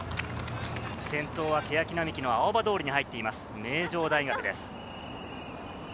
先頭はけやき並木の青葉通に入っています、名城大学です。